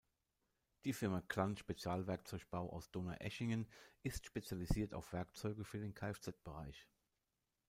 Die Firma Klann-Spezial-Werkzeugbau aus Donaueschingen ist spezialisiert auf Werkzeuge für den Kfz-Bereich.